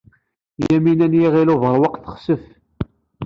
Yamina n Yiɣil Ubeṛwaq texsef.